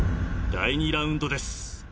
第２ラウンドです。